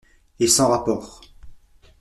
Et sans rapport.